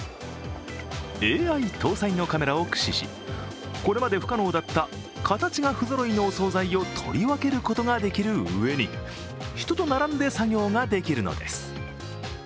ＡＩ搭載のカメラを駆使し、これまで不可能だった形が不ぞろいのお総菜を取り分けることができるうえに人と並んで作業ができるのです。